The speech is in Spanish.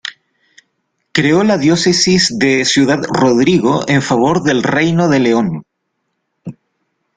Creó la diócesis de Ciudad Rodrigo en favor del Reino de León.